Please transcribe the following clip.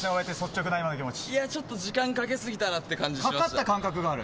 いやちょっと、時間かけ過ぎかかった感覚がある？